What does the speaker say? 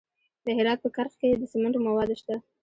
د هرات په کرخ کې د سمنټو مواد شته.